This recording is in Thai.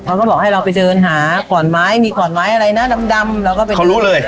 เขาก็บอกให้เราไปเดินหาขอนไม้มีขอนไม้อะไรนะดำเราก็เป็นเขารู้เลย